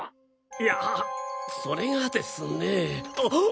いやそれがですねぇあ！？